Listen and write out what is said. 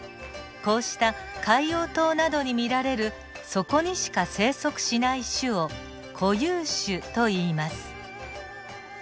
こうした海洋島などに見られるそこにしか生息しない種を固有種といいます。